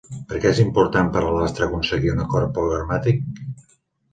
Per què és important per a Lastra aconseguir un acord programàtic?